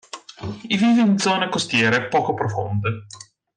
Vive in zone costiere poco profonde.